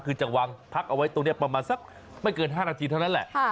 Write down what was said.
คือจะวางพักเอาไว้ตรงนี้ประมาณสักไม่เกิน๕นาทีเท่านั้นแหละ